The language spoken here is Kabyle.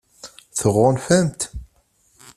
Tɣunfam-t?